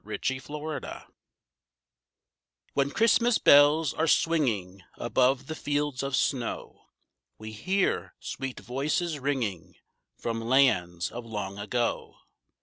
=Christmas Fancies= When Christmas bells are swinging above the fields of snow, We hear sweet voices ringing from lands of long ago.